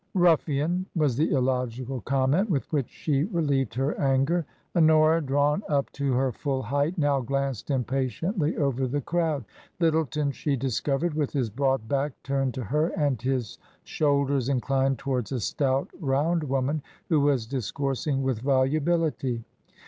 TRANSITION. 105 " Ruffian !" was the illogical comment with which she relieved her anger. Honora, drawn up to her full height, now glanced impatiently over the crowd. Lyttleton she discovered with his broad back turned to her and his shoulders inclined towards a stout round woman who was dis coursing with volubility.